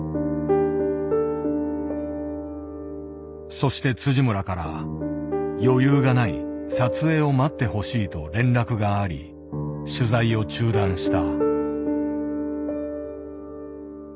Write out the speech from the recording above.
そして村から「余裕がない撮影を待ってほしい」と連絡があり取材を中断した。